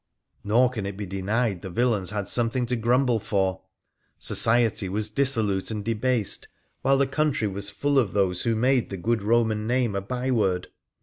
Nor can it be denied the villains had something to grumble for. Society was dissolute and debased, while the country was full of those who made the good Eoman name a byword.